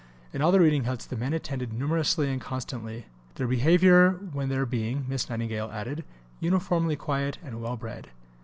In all the reading huts the men attended numerously and constantly, their behaviour when there being, Miss Nightingale added, uniformly quiet and well bred.